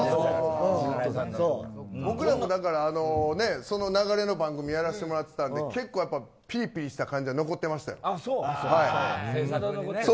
僕らもその流れの番組をやらせてもらっていたので結構、ピリピリした感じは残ってましたよ。